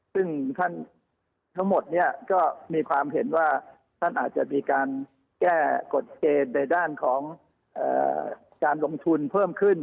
ซึ่งท่านทั้งหมดเนี่ยก็มีความเห็นว่าท่านอาจจะมีการแก้กฎเกณฑ์ในด้านของการลงทุนเพิ่มขึ้น